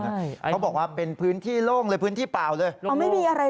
เขาบอกว่าเป็นพื้นที่โล่งเลยพื้นที่เปล่าเลย